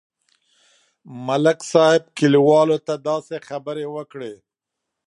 ملک صاحب کلیوالو ته داسې خبرې وکړې.